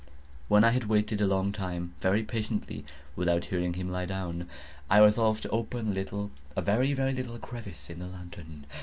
When I had waited a long time, very patiently, without hearing him lie down, I resolved to open a little—a very, very little crevice in the lantern.